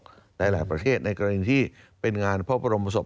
หลายประเทศในกรณีที่เป็นงานพระบรมศพ